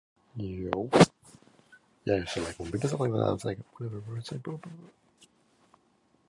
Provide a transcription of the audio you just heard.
Much of Belissen's music is either lost or remains uncatalogued.